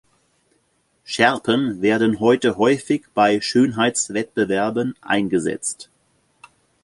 Schärpen werden heute häufig bei Schönheitswettbewerben eingesetzt.